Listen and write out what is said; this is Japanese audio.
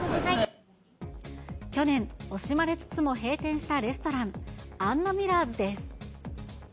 去年、惜しまれつつも閉店したレストラン、アンナミラーズです。